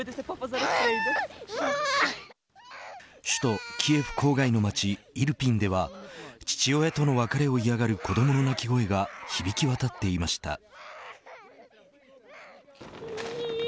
首都キエフ郊外の町イルピンでは父親との別れを嫌がる子どもの泣き声が響き渡っていました。